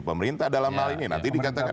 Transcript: pemerintah dalam hal ini nanti dikatakan